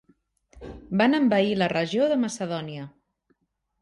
Van envair la regió de Macedònia.